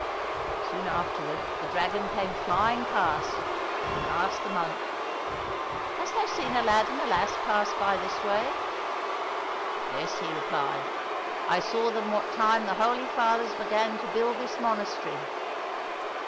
" Soon afterward the dragon came flying past, and asked the monk, " Hast thou seen a lad and a lass pass by this way ?"—'' Yes," he replied, " I saw them what time the holy fathers began to build this monastery."